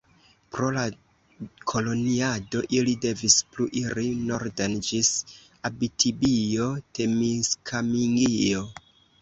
Pro la koloniado ili devis plu iri norden ĝis Abitibio-Temiskamingio.